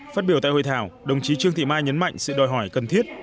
phát biểu tại hội thảo đồng chí trương thị mai nhấn mạnh sự đòi hỏi cần thiết